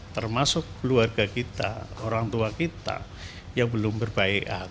termasuk keluarga kita orang tua kita yang belum berbaik